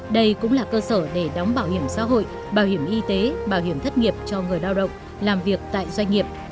đây cũng là cơ sở để đóng bảo hiểm xã hội bảo hiểm y tế bảo hiểm thất nghiệp cho người lao động làm việc tại doanh nghiệp